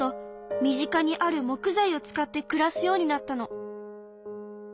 身近にある木材を使って暮らすようになったの。